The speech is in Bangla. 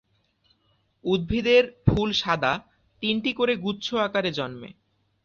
উদ্ভিদের ফুল সাদা, তিনটি করে গুচ্ছ আকারে জন্মে।